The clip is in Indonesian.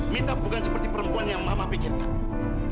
mita bukan seperti perempuan yang mama pikirkan